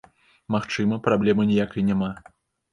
Магчыма, праблемы ніякай няма?